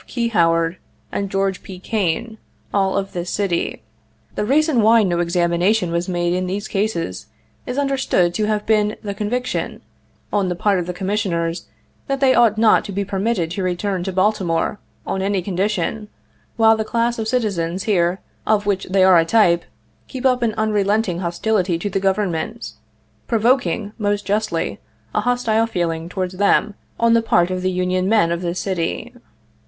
Key Howard, and George P. Kane, all of this city. The reason why no examination was made in these cases is understood to have been the conviction, on the part of the Commissioners, that they ought not to be permitted to return to Baltimore, on any condition, while the class of citizens here of which they are a type keep up an unrelenting hostility to the Government — provoking, most justly, a hostile feeling towards them on the part of the Union men of this city.